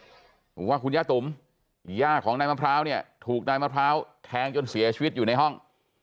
บอกว่าคุณย่าตุ๋มย่าของนายมะพร้าวเนี่ยถูกนายมะพร้าวแทงจนเสียชีวิตอยู่ในห้อง